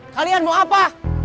kalian mau apa